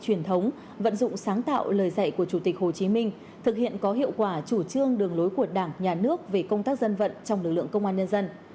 truyền thống vận dụng sáng tạo lời dạy của chủ tịch hồ chí minh thực hiện có hiệu quả chủ trương đường lối của đảng nhà nước về công tác dân vận trong lực lượng công an nhân dân